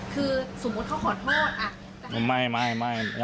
คือสมมุติเขามีขอโทษอ่ะ